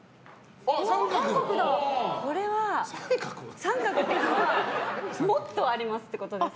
これは、△というのはもっとありますってことです。